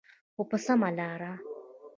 خو په سمه لاره.